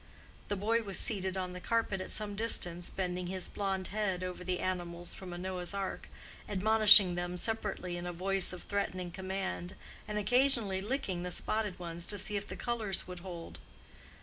The boy was seated on the carpet at some distance, bending his blonde head over the animals from a Noah's ark, admonishing them separately in a voice of threatening command, and occasionally licking the spotted ones to see if the colors would hold.